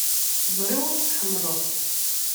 Ẓriɣ ur t-tḥemmleḍ.